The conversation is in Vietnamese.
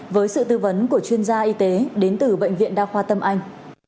với sự tư vấn của chuyên gia y tế đến từ bệnh viện đa khoa tâm anh